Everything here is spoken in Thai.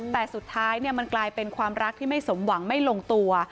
แต่สุดท้ายมันกลายเป็นความรักที่ไม่สมหวังไม่ลงตัว